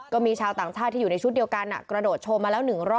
ก็มีชาวต่างชาติที่อยู่ในชุดเดียวกัน